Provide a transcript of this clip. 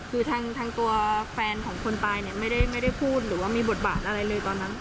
คือทางตัวแฟนของคนตายเนี่ยไม่ได้พูดหรือว่ามีบทบาทอะไรเลยตอนนั้น